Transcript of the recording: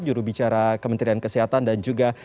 jurubicara kementerian kesehatan dan juga